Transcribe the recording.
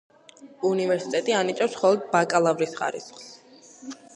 უნივერსიტეტი ანიჭებს მხოლოდ ბაკალავრის ხარისხს.